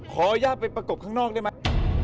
ขออนุญาตไปประกบข้างนอกได้ไหม